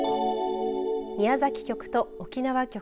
宮崎局と沖縄局。